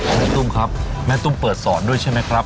แม่ตุ้มครับแม่ตุ้มเปิดสอนด้วยใช่ไหมครับ